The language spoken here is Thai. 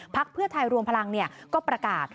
พรรคเพื่อทายรวมพลังก็ประกาศ